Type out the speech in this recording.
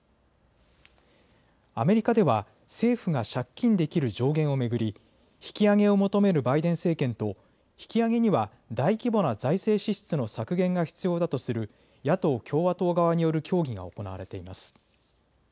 アメリカでは政府が借金できる上限を巡り引き上げを求めるバイデン政権と引き上げには大規模な財政支出の削減が必要だとする野党・共和党側による協議が行われています。